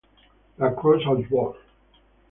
La Croix-aux-Bois